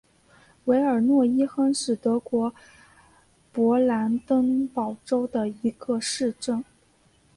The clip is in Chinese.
韦尔诺伊亨是德国勃兰登堡州的一个市镇。